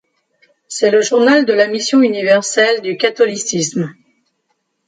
C'est le journal de la mission universelle du Catholicisme.